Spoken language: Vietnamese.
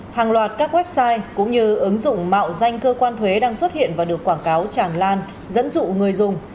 hàng loạt các website cũng như ứng dụng mạo danh cơ quan thuế đang xuất hiện và được quảng cáo tràn lan dẫn dụ người dùng